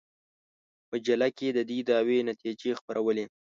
مجله کې د دې دعوې نتیجې خپرولې.